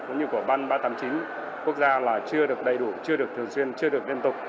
cũng như của ban ba trăm tám mươi chín quốc gia là chưa được đầy đủ chưa được thường xuyên chưa được liên tục